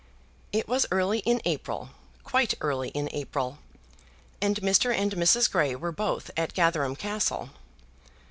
It was early in April, quite early in April, and Mr. and Mrs. Grey were both at Gatherum Castle.